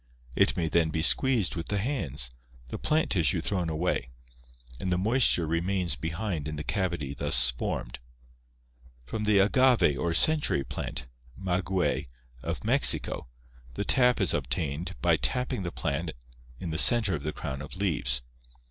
It may then be squeezed with the hands, the plant tissue thrown away, and the moisture remains behind in the cavity thus formed. From the agave or "century plant" (maguey) of Mexico the sap is obtained by tapping the plant in the center of the crown of leaves.